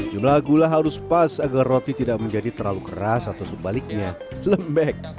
jumlah gula harus pas agar roti tidak menjadi terlalu keras atau sebaliknya lembek